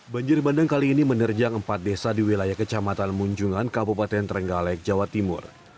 banjir bandang kali ini menerjang empat desa di wilayah kecamatan munjungan kabupaten trenggalek jawa timur